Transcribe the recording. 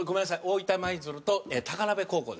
大分舞鶴と高鍋高校です。